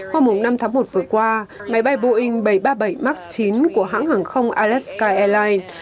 hôm năm tháng một vừa qua máy bay boeing bảy trăm ba mươi bảy max chín của hãng hàng không alaska airlines